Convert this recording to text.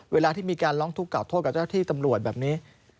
เวลาที่มีการร้องทุกข่าโทษกับเจ้าที่ตำรวจแบบนี้